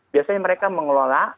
biasanya mereka mengelola